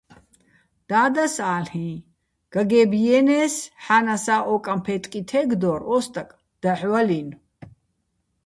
დადას ალ'იჼ: "გაგე́ბ ჲიენე́ს, ჰ̦ანასა́ ო კამფე́ტკი თე́გდორ, ო სტაკ დაჰ̦ ვალინო̆".